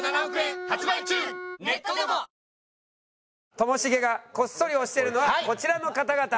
ともしげがこっそり推してるのはこちらの方々。